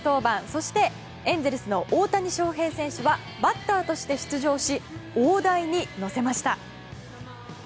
そしてエンゼルスの大谷翔平選手はバッターとして出場し大台に乗せました。